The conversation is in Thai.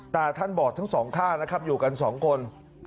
ตาท่านบอดทั้งสองข้างนะครับอยู่กันสองคน